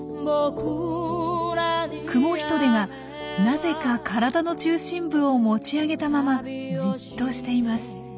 クモヒトデがなぜか体の中心部を持ち上げたままじっとしています。